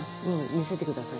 見せてください。